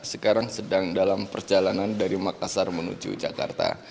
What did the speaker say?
sekarang sedang dalam perjalanan dari makassar menuju jakarta